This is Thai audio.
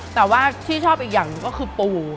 แต่ว่าที่ชอบอีกอย่างก็คือปู